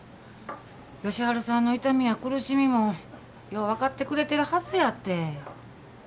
佳晴さんの痛みや苦しみもよう分かってくれてるはずやて。